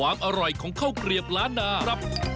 ป้าบัวยอนเหรอ